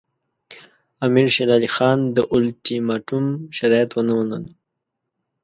امیر شېر علي خان د اولټیماټوم شرایط ونه منل.